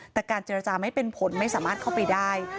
แต่การเจรจาไม่เป็นผลไม่สามารถเข้าไปได้